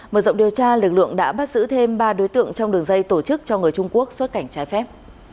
mở rộng điều tra lực lượng đã bắt giữ thêm ba đối tượng trong đường dây tổ chức cho người trung quốc xuất cảnh trái phép